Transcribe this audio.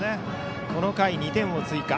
この回に２点追加。